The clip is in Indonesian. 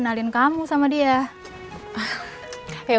tapi kan dia itu